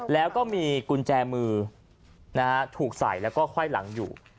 แล้วก็มีกุญแจมือถูกใส่และค่อยหลังอยู่